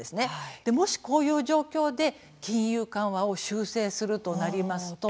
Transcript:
もし、こういう状況で金融緩和を修正するとなりますと。